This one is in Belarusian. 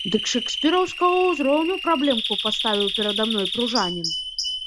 Дык шэкспіраўскага ўзроўню праблемку паставіў перада мной пружанін!